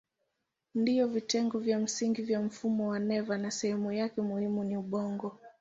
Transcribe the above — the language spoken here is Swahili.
Ndiyo vitengo vya msingi vya mfumo wa neva na sehemu yake muhimu ni ubongo.